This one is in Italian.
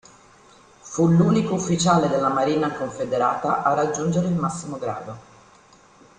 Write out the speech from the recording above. Fu l'unico ufficiale della Marina Confederata a raggiungere il massimo grado.